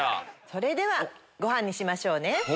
それではごはんにしましょうね。